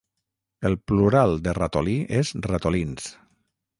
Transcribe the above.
El plural de ratolí és ratolins.